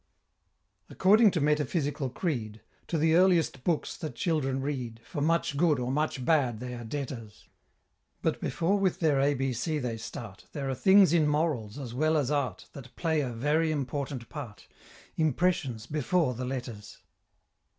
According to metaphysical creed, To the earliest books that children read For much good or much bad they are debtors But before with their A B C they start, There are things in morals, as well as art, That play a very important part "Impressions before the letters."